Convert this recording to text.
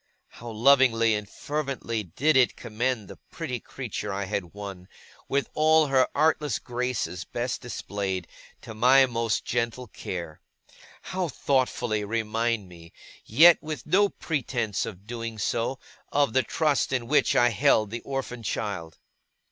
How lovingly and fervently did it commend the pretty creature I had won, with all her artless graces best displayed, to my most gentle care! How thoughtfully remind me, yet with no pretence of doing so, of the trust in which I held the orphan child!